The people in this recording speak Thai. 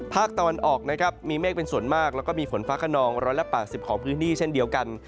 ภาคตะวันออกนะครับมีเมฆเป็นส่วนมากแล้วก็มีฝนฟ้าขนอง๑๘๐ของพื้นที่เช่นเดียวกัน